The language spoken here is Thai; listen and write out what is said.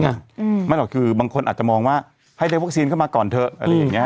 อืมไม่หรอกคือบางคนอาจจะมองว่าให้ได้วัคซีนเข้ามาก่อนเถอะอะไรอย่างเงี้